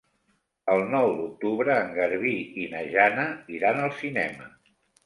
El nou d'octubre en Garbí i na Jana iran al cinema.